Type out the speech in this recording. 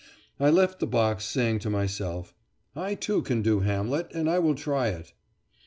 I left my box saying to myself: "I too can do Hamlet, and I will try it!"